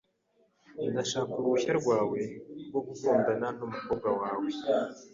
Ndashaka uruhushya rwawe rwo gukundana numukobwa wawe.